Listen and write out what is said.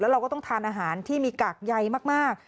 เราก็ต้องทานอาหารที่มีกากใยมาก